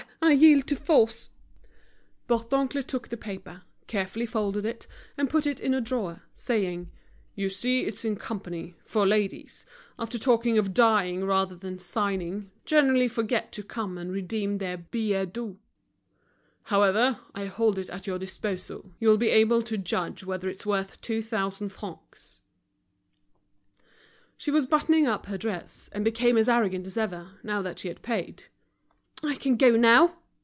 I yield to force." Bourdoncle took the paper, carefully folded it, and put it in a drawer, saying: "You see it's in company, for ladies, after talking of dying rather than signing, generally forget to come and redeem their billets doux. However, I hold it at your disposal. You'll be able to judge whether it's worth two thousand francs." She was buttoning up her dress, and became as arrogant as ever, now that she had paid. "I can go now?"